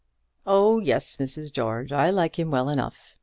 "Oh yes, Mrs. George; I like him well enough.